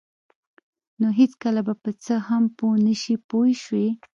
نو هېڅکله به په څه هم پوه نشئ پوه شوې!.